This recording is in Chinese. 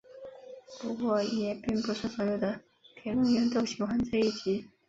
不过也并不是所有的评论员都喜欢这一集。